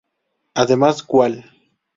Además, Wall!